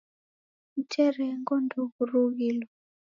Mterengo ndeghurughilo